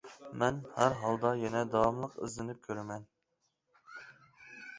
مەن ھەر ھالدا يەنە داۋاملىق ئىزدىنىپ كورىمەن.